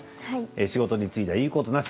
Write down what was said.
仕事については言うことなし。